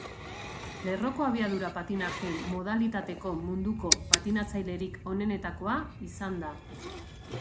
Lerroko abiadura-patinaje modalitateko munduko patinatzailerik onenetakoa izan da.